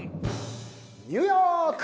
ニューヨーク！